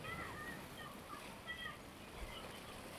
使其成为牛津大学中经费第四多的学院。